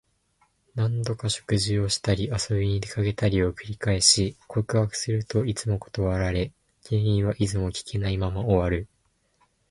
何度か食事をしたり、遊びに出かけたりを繰り返し、告白するといつも断られ、原因はいつも聞けないまま終わる。